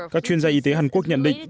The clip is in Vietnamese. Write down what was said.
các chuyên gia y tế hàn quốc nhận định